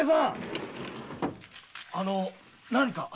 あの何か？